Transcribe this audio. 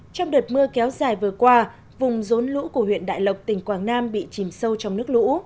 trong đợt mưa kéo dài vừa qua vùng rốn lũ của huyện đại lộc tỉnh quảng nam bị chìm sâu trong nước lũ